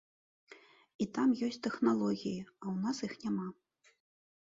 І там ёсць тэхналогіі, у нас іх няма.